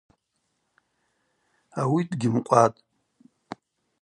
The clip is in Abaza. Ауи дгьымкъватӏ.